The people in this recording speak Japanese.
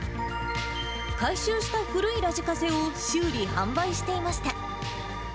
回収した古いラジカセを修理、販売していました。